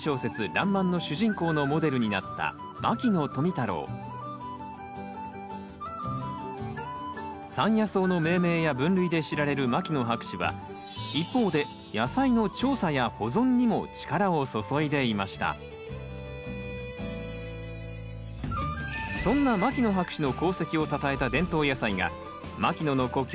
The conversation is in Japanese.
「らんまん」の主人公のモデルになった牧野富太郎山野草の命名や分類で知られる牧野博士は一方でそんな牧野博士の功績をたたえた伝統野菜が牧野の故郷